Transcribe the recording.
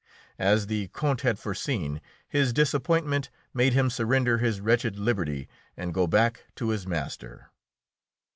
As the Count had foreseen, his disappointment made him surrender his wretched liberty and go back to his master.